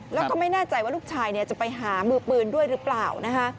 แล้วก็ไม่แน่ใจว่าลูกชายจะไปหามือปืนด้วยหรือเปล่านะคะ